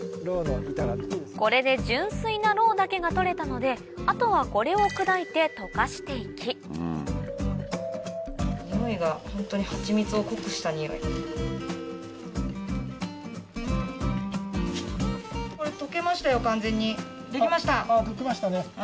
これで純粋なロウだけが取れたのであとはこれを砕いて溶かして行き溶けましたね